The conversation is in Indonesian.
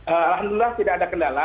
alhamdulillah tidak ada kendala